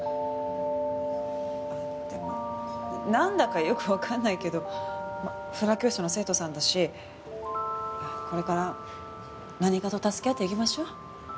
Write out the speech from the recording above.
あっでもなんだかよくわかんないけどフラ教室の生徒さんだしこれから何かと助け合っていきましょう。